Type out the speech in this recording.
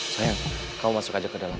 sayang kamu masuk aja ke dalam